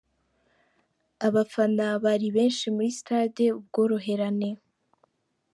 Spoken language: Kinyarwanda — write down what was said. Abafana bari benshi muri stade Ubworoherane.